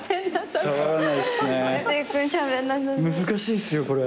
難しいっすよこれ。